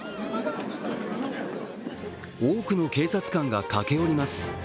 多くの警察官が駆け寄ります。